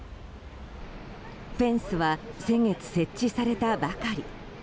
フェンスは先月、設置されたばかり。